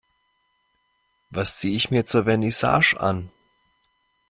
Was ziehe ich mir zur Vernissage an?